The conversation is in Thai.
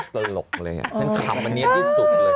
ตลกเลยฉันคำอันนี้ที่สุดเลย